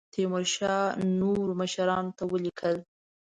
تیمورشاه نورو مشرانو ته ولیکل.